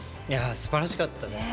すばらしかったですね。